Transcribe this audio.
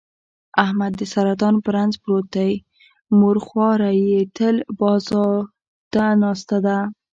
احمد د سرطان په رنځ پروت دی، مور خواره یې تل بازوته ناسته ده.